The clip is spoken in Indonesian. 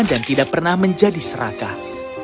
tidak pernah menjadi serakah